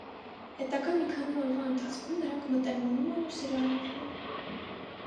Հետագա մի քանի օրվա ընթացքում նրանք մտերմանում են ու սիրահարվում։